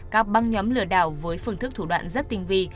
các băng nhóm lừa đảo với phương thức thủ đoạn rất tinh vi